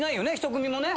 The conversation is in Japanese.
１組もね。